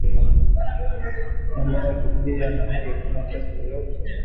Mama eko piya na haki ya ku fanya kazi yoyote